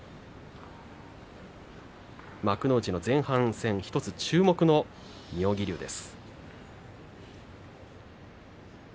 幕内の前半戦、１つ注目の妙義龍です。